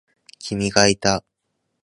君がいた。